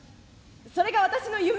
それが私の夢」。